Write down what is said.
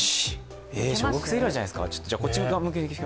えー、小学生以来じゃないですか。